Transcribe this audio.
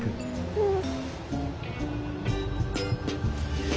うん。